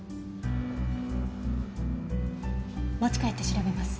持ち帰って調べます。